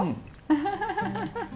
アハハハハ。